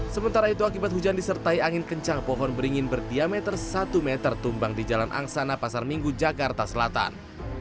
sementara itu akibat hujan disertai angin kencang pohon beringin berdiameter satu meter tumbang di jalan angsana pasar minggu jakarta selatan